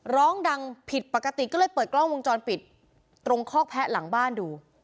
ร้องดังผิดปกติก็เลยเปิดกล้องวงจรปิดตรงคอกแพะหลังบ้านดู